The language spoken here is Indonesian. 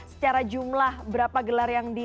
secara jumlah berapa gelar yang di